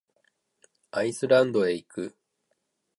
アイスランドへ行く。